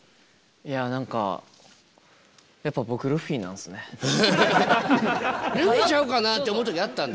いや何かやっぱルフィちゃうかなって思う時あったんだ。